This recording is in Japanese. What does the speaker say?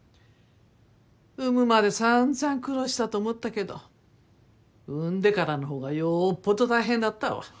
産むまで散々苦労したと思ったけど産んでからの方がよっぽど大変だったわ。